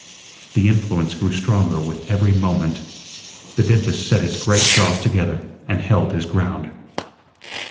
The influence grew stronger with every moment. The dentist set his great jaws together and held his ground.